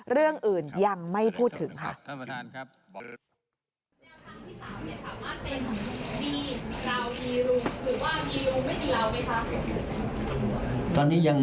เรื่องอื่นยังไม่พูดถึงค่ะ